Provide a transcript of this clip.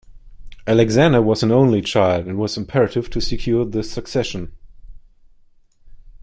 Alexander was an only child, and it was imperative to secure the succession.